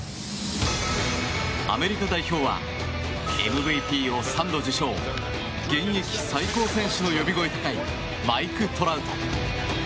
アメリカ代表はＭＶＰを３度受賞現役最高選手の呼び声高いマイク・トラウト。